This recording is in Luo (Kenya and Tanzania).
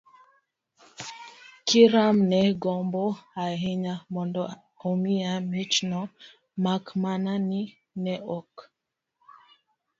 kiram ne gombo ahinya mondo omiya michno, mak mana ni ne ok